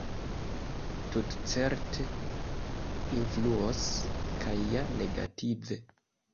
Tutcerte influos, kaj ja negative.